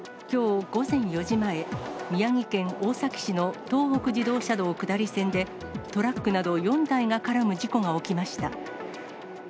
きょう午前４時前、宮城県大崎市の東北自動車道下り線で、トラックなど４台が絡む事故が起きました。